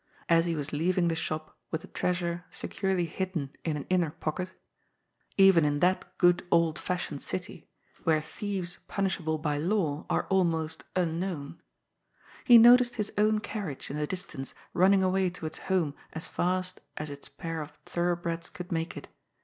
As he was leaving the shop, with the treasure securely hidden in an inner pocket (even in that good old fashioned city, where thieves punishable by law are almost unknown), he noticed his own carriage in the distance running away towards home as fast as its pair of thoroughbreds could make it.